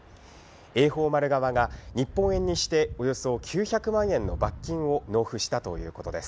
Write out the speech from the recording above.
榮寳丸側が日本円にしておよそ９００万円の罰金を納付したということです。